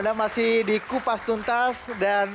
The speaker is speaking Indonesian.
anda masih di kupas tuntas dan